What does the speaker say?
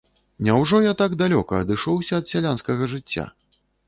Няўжо я так далёка адышоўся ад сялянскага жыцця?